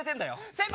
先輩！